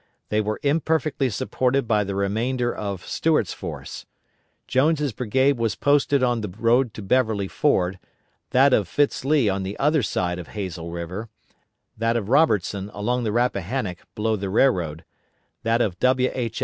They were imperfectly supported by the remainder of Stuart's force. Jones' brigade was posted on the road to Beverly Ford, that of Fitz Lee* on the other side of Hazel River; that of Robertson along the Rappahannock below the railroad; that of W. H.